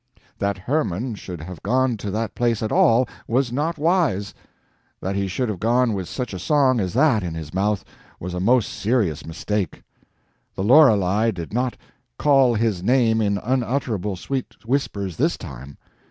That Hermann should have gone to that place at all, was not wise; that he should have gone with such a song as that in his mouth was a most serious mistake. The Lorelei did not "call his name in unutterable sweet Whispers" this time.